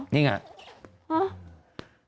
นี่ไง